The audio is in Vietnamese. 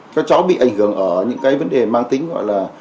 các cháu bị ảnh hưởng ở những cái vấn đề mang tính gọi là